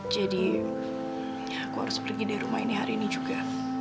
jadi aku harus pergi dari rumah ini hari ini juga